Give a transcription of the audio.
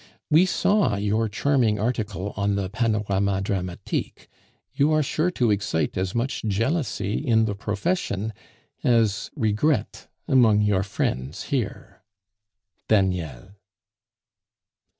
We saw your charming article on the Panorama Dramatique; you are sure to excite as much jealousy in the profession as regret among your friends here. DANIEL."